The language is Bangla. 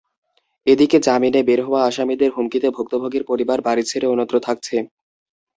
এদিকে জামিনে বের হওয়া আসামিদের হুমকিতে ভুক্তভোগীর পরিবার বাড়ি ছেড়ে অন্যত্র থাকছে।